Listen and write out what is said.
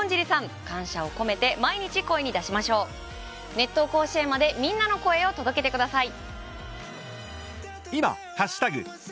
熱闘甲子園までみんなの声を届けてください。